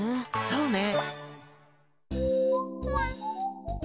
そうね。